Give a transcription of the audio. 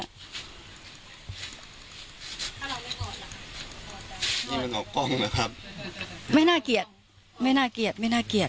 นี่มันออกกล้องหรือครับไม่น่าเกลียดไม่น่าเกลียดไม่น่าเกลียด